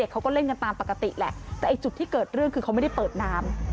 เขาก็เล่นกันตามปกติแหละแต่ไอ้จุดที่เกิดเรื่องคือเขาไม่ได้เปิดน้ำ